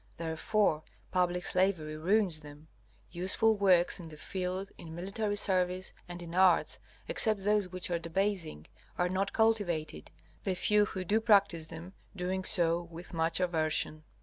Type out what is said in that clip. Therefore public slavery ruins them; useful works, in the field, in military service, and in arts, except those which are debasing, are not cultivated, the few who do practise them doing so with much aversion.